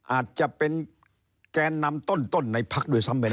อาจจะเป็นแกนนำต้นในพักด้วยซ้ำไปแล้ว